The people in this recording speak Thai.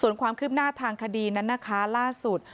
ส่วนความคืบหน้าทางคดีนั้นนะคะล่าสุด